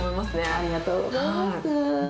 ありがとうございます。